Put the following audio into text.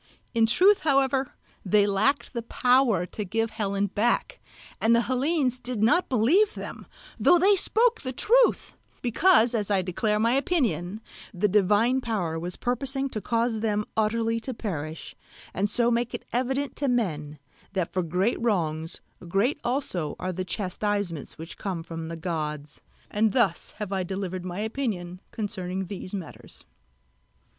In truth however they lacked the power to give Helen back; and the Hellenes did not believe them, though they spoke the truth; because, as I declare my opinion, the divine power was purposing to cause them utterly to perish, and so make it evident to men that for great wrongs great also are the chastisements which come from the gods. And thus have I delivered my opinion concerning these matters.